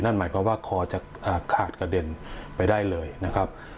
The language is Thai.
นั่นหมายความว่าคอจะขาดกระเด็นไปได้เลยนะครับ